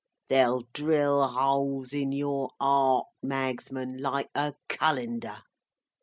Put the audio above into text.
They'll drill holes in your 'art, Magsman, like a Cullender.